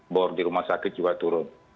bor di rumah sakit juga turun